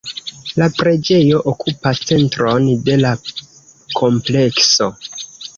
La preĝejo okupas la centron de la komplekso.